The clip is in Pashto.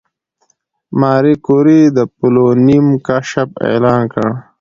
ماري کوري د پولونیم کشف اعلان کړ.